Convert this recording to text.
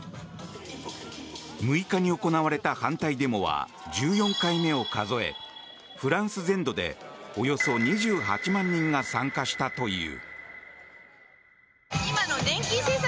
６日に行われた反対デモは１４回目を数えフランス全土でおよそ２８万人が参加したという。